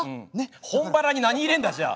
本腹に何入れんだじゃあ。